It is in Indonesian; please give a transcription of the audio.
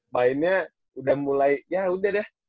mainnya udah mulai ya udah deh